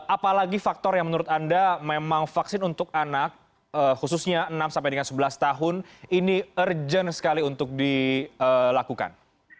apalagi faktor yang menurut anda memang vaksin untuk anak khususnya enam sampai dengan sebelas tahun ini urgent sekali untuk dilakukan